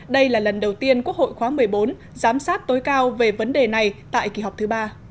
đây là lần đầu tiên quốc hội khóa một mươi bốn giám sát tối cao về vấn đề này tại kỳ họp thứ ba